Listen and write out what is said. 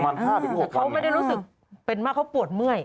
ประมาณ๕๖วันแต่เขาไม่ได้รู้สึกเป็นว่าเขาปวดเมื่อย